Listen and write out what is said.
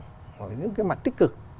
của những cái mặt tích cực